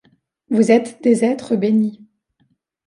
Vous êtes des êtres bénis.